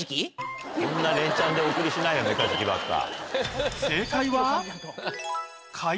そんな連チャンでお送りしないよメカジキばっか。